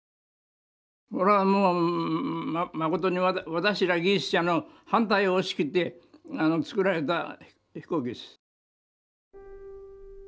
これはもう誠に私ら技術者の反対を押し切って造られた飛行機です。